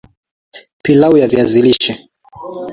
pilau ya viazi lishe